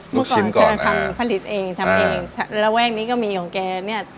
ลูกชิ้นก่อนอ่าผลิตเองทำเองอ่าแล้วแว่งนี้ก็มีของแกเนี้ย